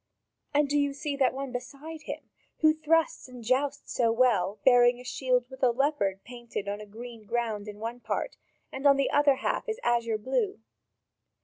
And do you see that one beside him, who thrusts and jousts so well, bearing a shield with a leopard painted on a green ground on one part, and the other half is azure blue?